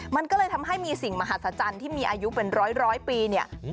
มันก็เลยทำให้มีสิ่งมหัศจรรย์ที่มีอายุเป็นร้อยปีเนี่ย